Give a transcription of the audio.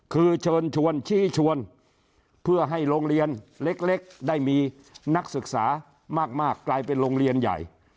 คือเชิญชวนชี้ชวนเพื่อให้โรงเรียนเล็กได้มีนักศึกษามากกลายเป็นโรงเรียนใหญ่